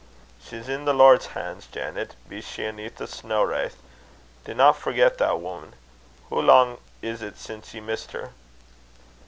"She's i' the Lord's han's, Janet, be she aneath a snaw vraith. Dinna forget that, wuman. Hoo lang is't sin' ye missed her?"